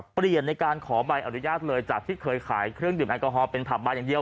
เปลี่ยนในการขอใบอนุญาตเลยจากที่เคยขายเครื่องดื่มแอลกอฮอลเป็นผับบานอย่างเดียว